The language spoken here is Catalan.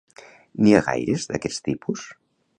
N'hi ha gaires d'aquest tipus?